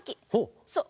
そう！